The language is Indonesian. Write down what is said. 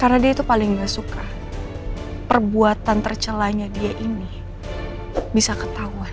karena dia itu paling enggak suka perbuatan tercelanya dia ini bisa ketahuan